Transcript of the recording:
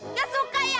nggak suka ya